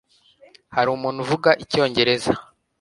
Hari umuntu uvuga icyongereza?